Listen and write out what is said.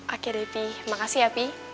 oke deh pi makasih ya pi